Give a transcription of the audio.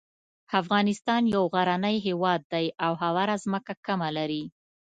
افغانستان یو غرنی هیواد دی او هواره ځمکه کمه لري.